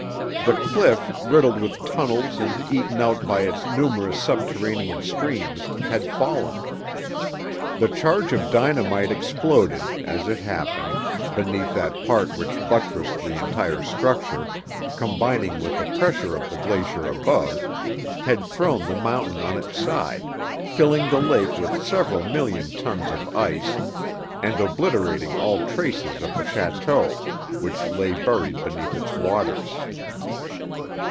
The cliff, riddled with tunnels and eaten out by its numerous subterranean streams, had fallen. The charge of dynamite exploded, as it happened, beneath that part which buttressed the entire structure, combining with the pressure of the glacier above, had thrown the mountain on its side, filling the lake with several million tons of ice and obliterating all traces of the château, which lay buried beneath its waters.